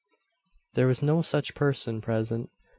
There was no such person present.